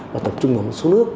và tập trung vào một số nước